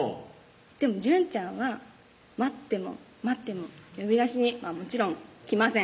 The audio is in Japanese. でも淳ちゃんは待っても待っても呼び出しにはもちろん来ません